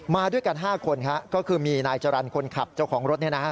มาด้วยกัน๕คนก็คือมีนายจรรย์คนขับเจ้าของรถ